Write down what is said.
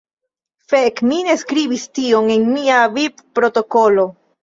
Fek, mi ne skribis tion en mia vivprotokolo.